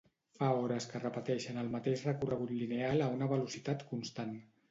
Fa hores que repeteixen el mateix recorregut lineal a una velocitat constant.